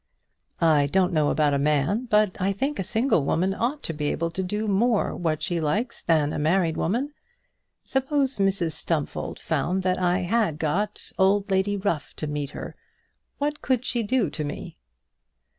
"I don't know about a man; but I think a single woman ought to be able to do more what she likes than a married woman. Suppose Mrs Stumfold found that I had got old Lady Ruff to meet her, what could she do to me?"